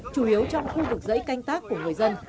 chủ yếu trong khu vực dãy canh tác của người dân